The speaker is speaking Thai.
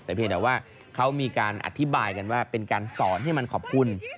แต่เพียงแต่ว่าเขามีการอธิบายกันว่าเป็นการสอนให้มันขอบคุณ